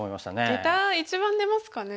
ゲタ一番出ますかね。